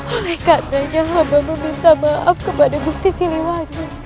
oleh katanya hamba meminta maaf kepada gusti siluwangi